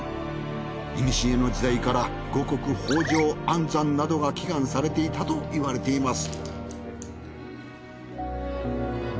いにしえの時代から五穀豊穣安産などが祈願されていたといわれています。